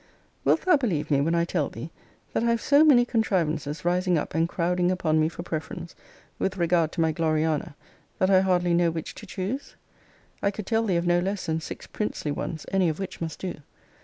Wilt thou believe me, when I tell thee, that I have so many contrivances rising up and crowding upon me for preference, with regard to my Gloriana, that I hardly know which to choose? I could tell thee of no less than six princely ones, any of which must do.